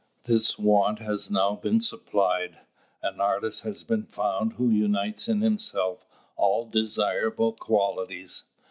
This want has now been supplied: an artist has been found who unites in himself all desirable qualities.